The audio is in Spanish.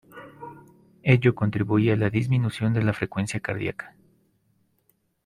Ello contribuye a la disminución de la frecuencia cardíaca.